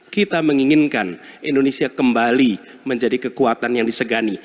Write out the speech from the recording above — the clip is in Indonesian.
kita menginginkan indonesia kembali menjadi kekuatan yang disegani